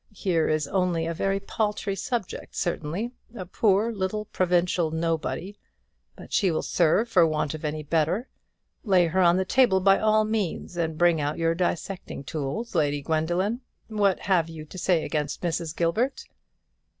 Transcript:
Here is only a very paltry subject, certainly a poor little provincial nobody; but she will serve for want of a better; lay her on the table, by all means, and bring out your dissecting tools, Lady Gwendoline. What have you to say against Mrs. Gilbert?"